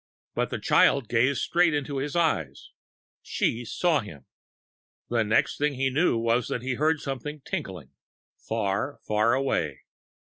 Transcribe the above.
But the child gazed straight into his eyes. She saw him. The next thing he knew was that he heard something tinkling ... far, far away.